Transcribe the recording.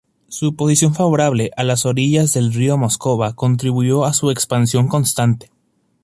Su posición favorable a las orillas del río Moscova contribuyó a su expansión constante.